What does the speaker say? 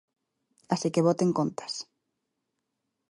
Así que boten contas.